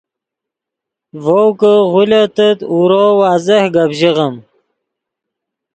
ڤؤ کہ غولیتغت اورو واضح گپ ژیغیم